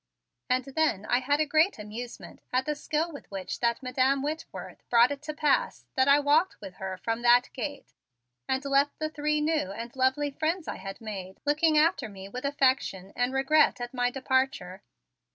And then I had a great amusement at the skill with which that Madam Whitworth brought it to pass that I walked with her from that gate and left the three new and lovely friends I had made looking after me with affection and regret at my departure.